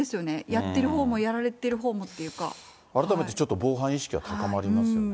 やってるほうも、やられてるほう改めてちょっと防犯意識は高まりますよね。